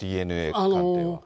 ＤＮＡ鑑定は。